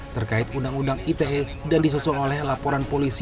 terkait undang undang ite dan disusul oleh laporan polisi